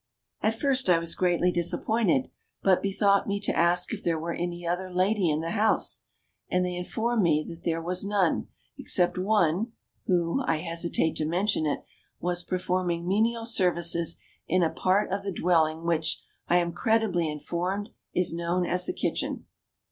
At first I was greatly disappointed, but bethought me to ask if there were any other lady in the house ; and they informed me that there was none, except one CINDERELLA UP TO DATE. 31 — I hesitate to mention it — was performing menial services in a part of the dwelling which, I am credibly informed, is known as the kitchen."